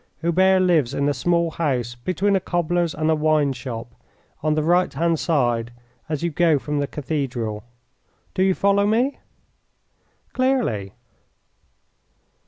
Hubert lives in a small house between a cobbler's and a wine shop, on the right hand side as you go from the cathedral. Do you follow me?" "Clearly."